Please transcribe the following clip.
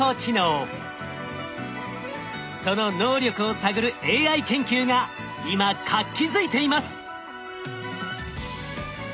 その能力を探るＡＩ研究が今活気づいています。